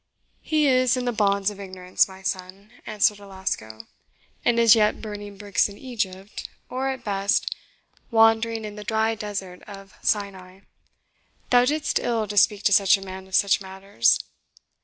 "He is in the bonds of ignorance, my son," answered Alasco, "and as yet burning bricks in Egypt; or, at best, wandering in the dry desert of Sinai. Thou didst ill to speak to such a man of such matters.